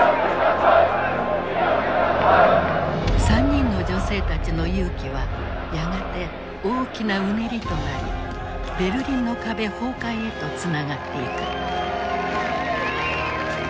３人の女性たちの勇気はやがて大きなうねりとなりベルリンの壁崩壊へとつながっていく。